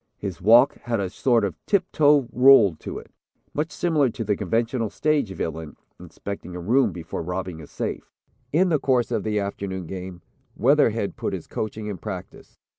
His walk had a sort of tip toe roll to it, much similar to the conventional stage villain, inspecting a room before robbing a safe. In the course of the afternoon game, Weatherhead put his coaching in practice.